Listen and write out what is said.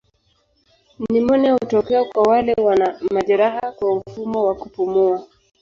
Nimonia hutokea kwa wale wana majeraha kwa mfumo wa kupumua.